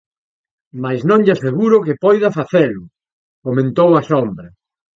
Mais non lle aseguro que poida facelo! –comentou a sombra–.